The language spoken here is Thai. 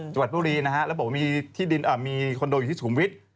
จังหวัดบุรีนะครับแล้วบอกว่ามีคอนโดอยู่ที่สุมวิทย์